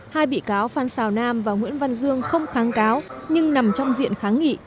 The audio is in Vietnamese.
hai bị cáo phan xào nam và nguyễn văn dương không kháng cáo nhưng nằm trong diện kháng nghị